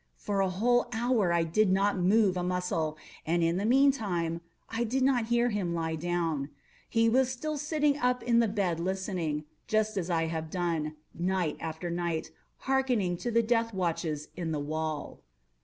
For a whole hour I did not move a muscle, and in the meantime I did not hear him lie down. He was still sitting up in the bed listening;—just as I have done, night after night, hearkening to the death watches in the wall.